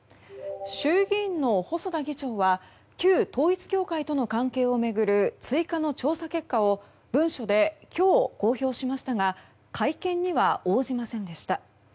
衆議院の細田議長は旧統一教会との関係を巡る追加の調査結果を文書で今日、公表しましたが会見には応じませんでした。